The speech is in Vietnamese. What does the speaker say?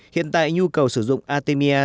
hiện tại nhu cầu sử dụng artemia